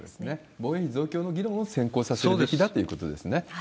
防衛力増強の議論を先行させるべきだということですね。